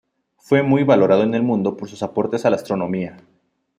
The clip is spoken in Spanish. Fue muy valorado en el mundo por sus aportes a la astronomía.